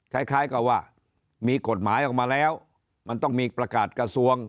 คล้ายกับว่ามีกฎหมายออกมาแล้วมันต้องมีประกาศกระทรวง